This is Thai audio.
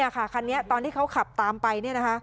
คันนี้ตอนที่เขาขับตามไป